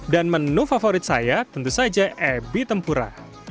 dan menu favorit saya tentu saja ebi tempura